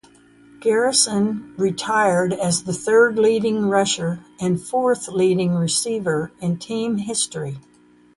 Garrison retired as the third leading rusher and fourth leading receiver in team history.